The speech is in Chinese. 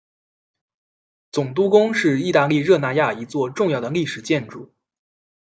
总督宫是意大利热那亚一座重要的历史建筑。